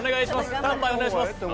スタンバイお願いします。